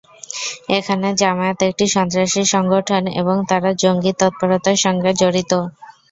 এখানে জামায়াত একটি সন্ত্রাসী সংগঠন এবং তারা জঙ্গি তৎপরতার সঙ্গে জড়িত।